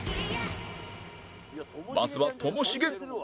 まずはともしげ